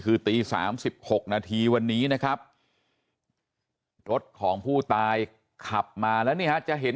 คือตี๓๖นาทีวันนี้นะครับรถของผู้ตายขับมาแล้วนี่ฮะจะเห็น